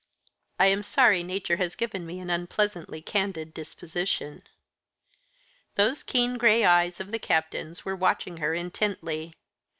"I am sorry nature has given me an unpleasantly candid disposition." Those keen gray eyes of the Captain's were watching her intently.